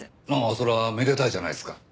それはめでたいじゃないですか。